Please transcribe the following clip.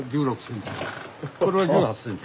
これの１６センチ。